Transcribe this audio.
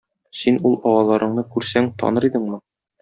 Син ул агаларыңны күрсәң таныр идеңме?